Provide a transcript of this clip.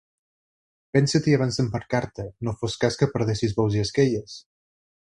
Pensa-t'hi, abans d'embarcar-te: no fos que perdessis bous i esquelles!